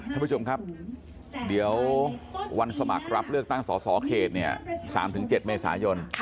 ท่านผู้ชมครับเดี๋ยววันสมัครรับเลือกตั้งสสเขต๓๗เมษายน